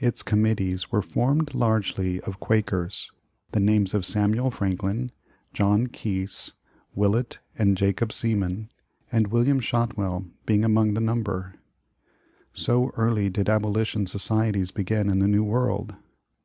Its committees were formed largely of Quakers — the names of Samuel Franklin, John Keese, "VVillett and Jacob Seaman and William Shotwell being among the number. So early did abolition societies begin in the new world!